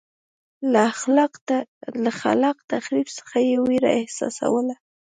له خلاق تخریب څخه یې وېره احساسوله.